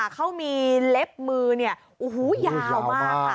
เขามีเล็บมือเนี่ยโอ้โหยาวมากค่ะ